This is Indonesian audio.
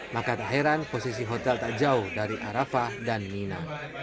maka tak heran posisi hotel tak jauh dari arafah dan mina